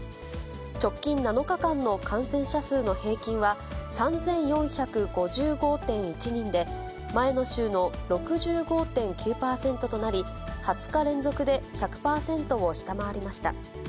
直近７日間の感染者数の平均は、３４５５．１人で、前の週の６５．９％となり、２０日連続で１００％を下回りました。